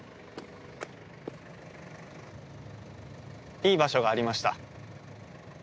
いい場所がありました。